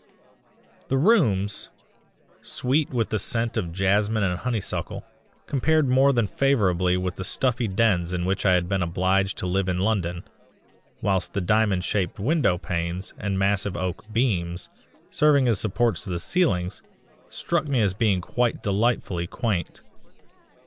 The rooms, sweet with the scent of jasmine and honeysuckle, compared more than favourably with the stuffy dens in which I had been obliged to live in London; whilst the diamond shaped window panes and massive oak beams serving as supports to the ceilings, struck me as being quite delightfully quaint.